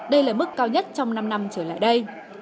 đây là mức cao nhất trong năm năm trở lại đây